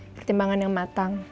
pertimbangan yang matang